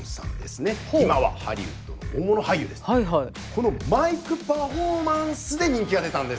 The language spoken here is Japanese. このマイクパフォーマンスで人気が出たんですね。